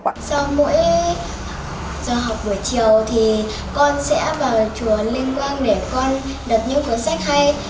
khoảng sau mỗi giờ học buổi chiều thì con sẽ vào chùa linh quang để con đặt những cuốn sách hay